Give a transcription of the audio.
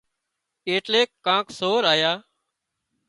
ايٽليڪ ڪانڪ سور آيا